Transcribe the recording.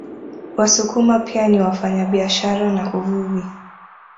Wasukuma pia ni wafanyabiashara na uvuvi